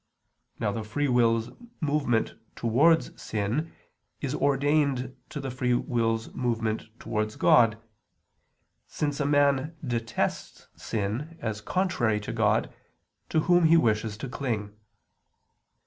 Now the free will's movement towards sin is ordained to the free will's movement towards God, since a man detests sin, as contrary to God, to Whom he wishes to cling.